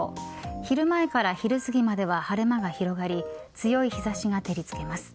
昼前から昼すぎまでは晴れ間が広まり強い日差しが照りつけます。